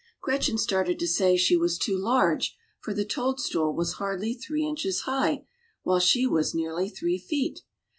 Gretchen started to say she was too large, for the toadstool was hardly three inches high, while she was near three feet.